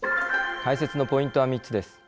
解説のポイントは３つです。